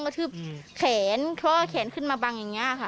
กระทืบแขนเพราะว่าแขนขึ้นมาบังอย่างเงี้ยค่ะ